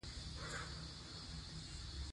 په افغانستان کې بامیان ډېر اهمیت لري.